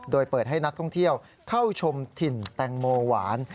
โดยเปิดให้นักท่องเที่ยวเข้าชมถิ่นแตงโมหวาน